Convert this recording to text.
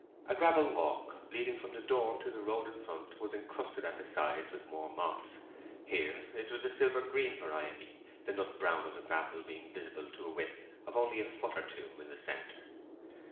A gravel walk leading from the door to the road in front was encrusted at the sides with more moss—here it was a silver green variety, the nut brown of the gravel being visible to the width of only a foot or two in the centre.